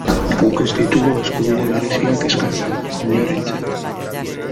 Guk ez ditugu eskubide bereziak eskatzen, inorentzat.